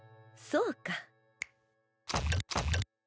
そうか。